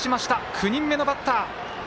９人目のバッター。